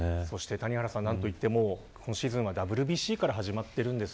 谷原さん、なんと言っても今シーズンはＷＢＣから始まっています。